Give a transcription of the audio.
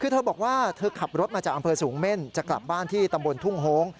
คือเธอบอกว่าเธอขับรถมาจากอำเภอสูงเม่นจะกลับบ้านที่ตำบลทุ่งโฮง